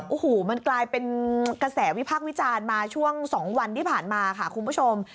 โอ้โหมันกลายเป็นกระแสวิพากษ์วิจารณ์มาช่วง๒วันที่ผ่านมาค่ะคุณผู้ชม